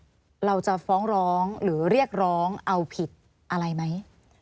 เราจะฟ้องร้องหรือเรียกร้องเอาผิดอะไรไหม